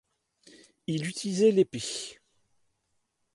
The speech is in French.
Il utilisait l'épée.